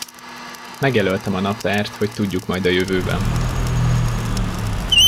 Megjelöltem a naptárt, hogy tudjuk majd a jövőben.